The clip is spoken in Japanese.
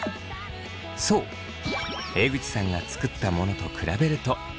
そう江口さんが作ったものと比べるとこんな感じ。